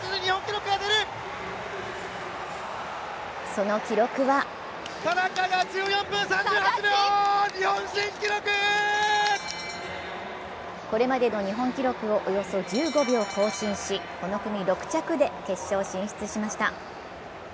その記録はこれまでの日本記録をおよそ１５秒更新しこの組６着で決勝進出しました。